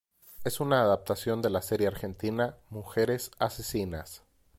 Es una adaptación de la serie argentina "Mujeres asesinas".